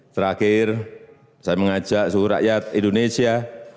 terakhir saya mengajak seluruh rakyat indonesia